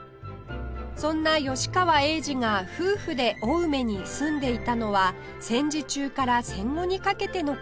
そんな吉川英治が夫婦で青梅に住んでいたのは戦時中から戦後にかけての事